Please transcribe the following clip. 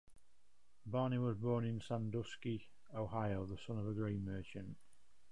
Barney was born in Sandusky, Ohio, the son of a grain merchant.